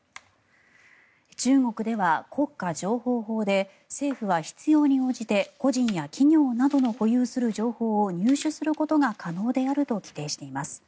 中国では国家情報法で政府は必要に応じて個人や企業などが保有する情報を入手することが可能であると規定しています。